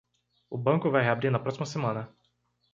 O banco vai reabrir na próxima semana.